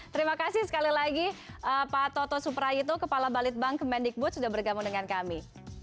terima kasih sekali lagi pak toto suprayito kepala balitbank kemendikbud sudah bergabung dengan kami